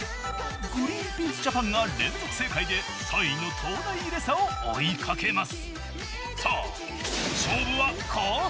グリーンピース・ジャパンが連続正解で３位の東大ＩＲＥＳＡを追いかけます。